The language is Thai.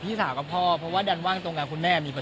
มันก็เป็นเรื่องดีใช่ไหมครับ